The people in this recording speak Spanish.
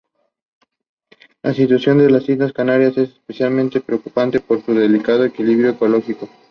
La situación en las Islas Canarias es especialmente preocupante, por su delicado equilibrio ecológico.